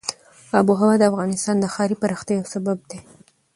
آب وهوا د افغانستان د ښاري پراختیا یو سبب دی.